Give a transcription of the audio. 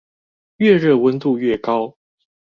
愈熱溫度愈高